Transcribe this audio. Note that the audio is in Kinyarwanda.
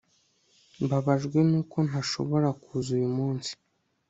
Mbabajwe nuko ntashobora kuza uyu munsi